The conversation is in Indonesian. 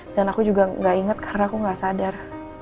dan aku juga gak inget karena aku gak sadar